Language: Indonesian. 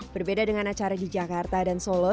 berbeda dengan acara di jakarta dan solo